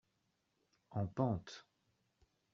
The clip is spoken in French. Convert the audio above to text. en pente.